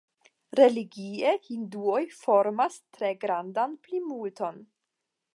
Religie hinduoj formas tre grandan plimulton.